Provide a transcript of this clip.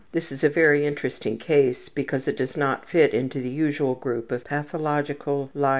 This is a very interesting case because it does not fit into the usual group of pathological liars.